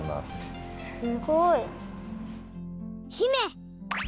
すごい！姫！